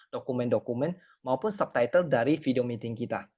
dokumen dokumen maupun subtitle dari video meeting kita